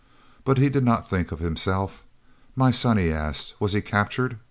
But he did not think of himself. "My son," he asked, "was he captured?